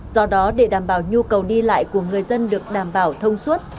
do đó để đảm bảo nhu cầu đi lại của người dân và các công nhân viên